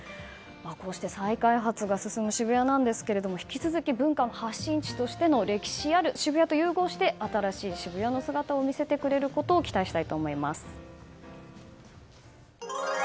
こうして再開発が進む渋谷ですが引き続き文化の発信地としての歴史ある渋谷と融合して新しい渋谷を見せてくれることを期待したいと思います。